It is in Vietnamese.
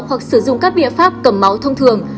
hoặc sử dụng các biện pháp cầm máu thông thường